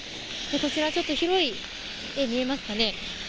こちら、ちょっと広い見えますかね。